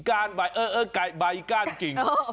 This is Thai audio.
ก้านใบเออใบก้านกิ่ง